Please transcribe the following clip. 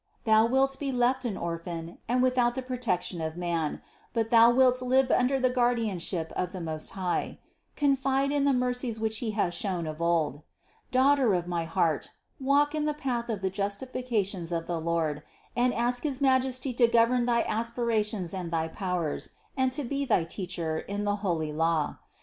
Thou wilt be left an orphan and without the protection of man; but thou wilt live under the guardianship of the Most High ; confide in the mercies which He has shown of old. Daughter of my heart, walk in the path of the justifica tions of the Lord and ask his Majesty to govern thy aspirations and thy powers and to be thy Teacher in the holy law.